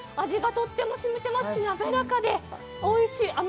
味がとっても染みてますし滑らかでおいしい。